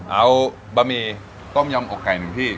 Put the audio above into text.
เอาบะหมี่ต้มยำอกไก่หนึ่งที่